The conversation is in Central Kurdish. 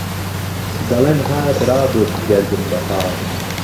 دهڵێن هات رابوورد گهردنبهخاڵ